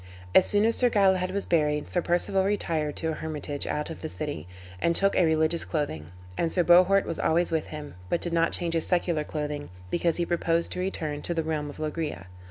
As soon as Sir Galahad was buried Sir Perceval retired to a hermitage out of the city, and took a religious clothing; and Sir Bohort was always with him, but did not change his secular clothing, because he purposed to return to the realm of Loegria.